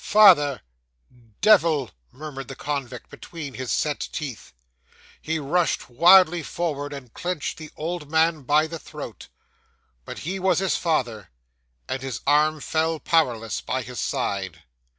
'"Father devil!" murmured the convict between his set teeth. He rushed wildly forward, and clenched the old man by the throat but he was his father; and his arm fell powerless by his side.